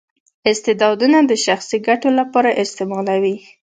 استعدادونه د شخصي ګټو لپاره استعمالوي.